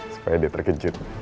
supaya dia terkejut